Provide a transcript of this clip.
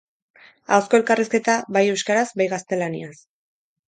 Ahozko elkarrizketa, bai euskaraz, bai gaztelaniaz.